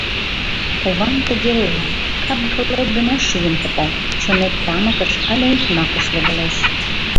— Ковам тыге ойла: кап-кылет гына шӱйын пыта, чонет тамыкыш але узьмакыш логалеш.